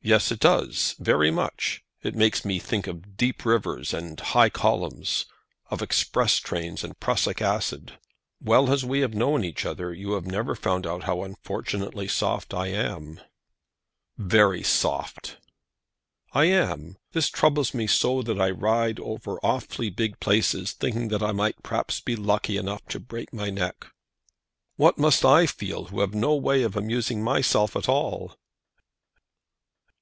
"Yes, it does; very much. It makes me think of deep rivers, and high columns; of express trains and prussic acid. Well as we have known each other, you have never found out how unfortunately soft I am." "Very soft!" "I am. This troubles me so that I ride over awfully big places, thinking that I might perhaps be lucky enough to break my neck." "What must I feel, who have no way of amusing myself at all?"